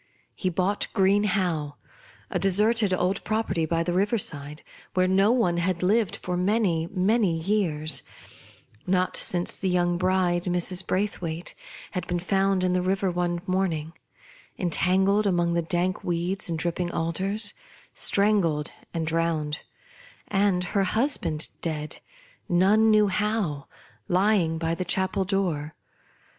He bought Green Howe, a deserted old property by the river side, where no one had lived for many years ; not since the young bride, Mrs. Braithwaite, had been found in the river one morning, entangled among the dank weeds and dripping alders, strangled and drowned, and her husband dead — none knew how — lying by the chapel door.